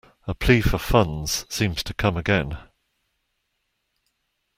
A plea for funds seems to come again.